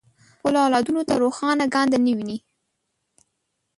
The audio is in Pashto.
د خپلو اولادونو ته روښانه ګانده نه ویني.